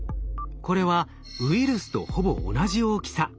これはウイルスとほぼ同じ大きさ。